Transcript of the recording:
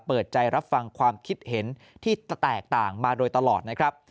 เปิดใจรับฟังความคิดเห็นที่แตกต่างมาโดยตลอดนะครับ